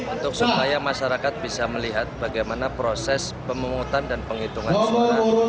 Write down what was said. untuk supaya masyarakat bisa melihat bagaimana proses pemungutan dan penghitungan suara